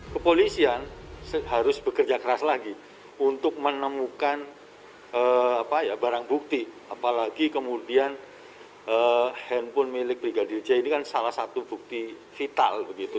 kepolisian harus bekerja keras lagi untuk menemukan barang bukti apalagi kemudian handphone milik brigadir j ini kan salah satu bukti vital begitu